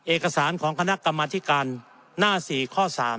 เอกสารของคณะกรรมธิการหน้า๔ข้อ๓